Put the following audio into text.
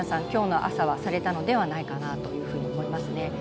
今日の朝はされたのではないかと思いますね。